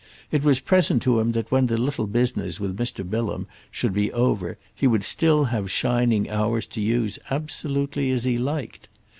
It was present to him that when the little business with Mr. Bilham should be over he would still have shining hours to use absolutely as he liked.